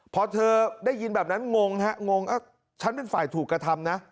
พอเธอได้ยินแบบนั้นงงฮะงงฉันเป็นฝ่ายถูกกระทำนะ